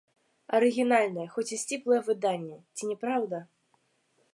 Арыгінальнае, хоць і сціплае выданне, ці не праўда?